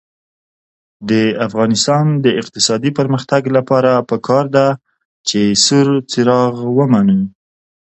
د افغانستان د اقتصادي پرمختګ لپاره پکار ده چې سور څراغ ومنو.